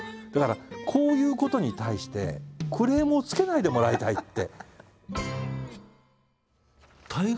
だからこういうことに対してクレームをつけないでもらいたいって。